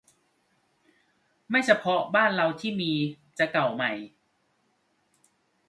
ไม่เฉพาะบ้านเราที่มี จะเก่าใหม่